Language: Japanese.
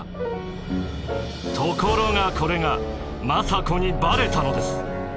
ところがこれが政子にバレたのです。